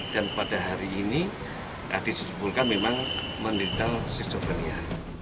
dan pada hari ini disusulkan memang menderita siso frenia